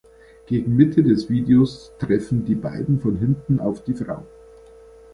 Gegen Mitte des Videos treffen die beiden von hinten auf die Frau.